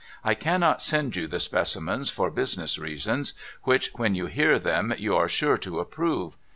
I cannot send you the specimens for business reasons, which, when you hear them, you are sure to approve.